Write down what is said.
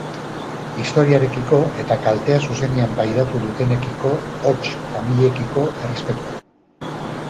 Istorioarekiko eta kaltea zuzenean pairatu dutenekiko, hots familiekiko, errespetua.